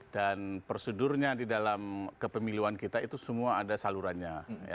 dan prosedurnya di dalam kepemiluan kita itu semua ada salurannya